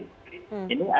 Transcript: ini artinya apa